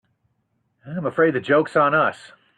I'm afraid the joke's on us.